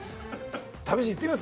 試しに言ってみます？